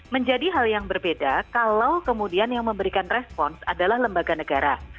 menjadi hal yang berbeda kalau kemudian yang memberikan respons adalah lembaga negara